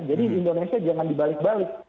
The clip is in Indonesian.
jadi di indonesia jangan dibalik balik